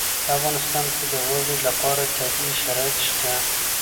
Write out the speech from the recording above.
په افغانستان کې د واورې لپاره طبیعي شرایط شته.